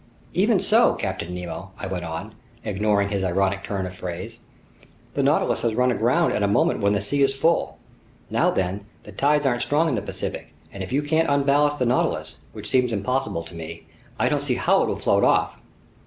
"Even so, Captain Nemo," I went on, ignoring his ironic turn of phrase, "the Nautilus has run aground at a moment when the sea is full. Now then, the tides aren't strong in the Pacific, and if you can't unballast the Nautilus, which seems impossible to me, I don't see how it will float off."